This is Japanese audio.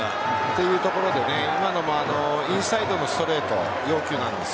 というところで今のもインサイドのストレート要求なんです。